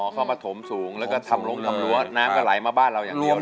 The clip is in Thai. เข้ามาถมสูงแล้วก็ทำลงทำรั้วน้ำก็ไหลมาบ้านเราอย่างเดียว